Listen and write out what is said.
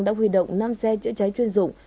đã huy động năm xe chữa cháy chuyên dụng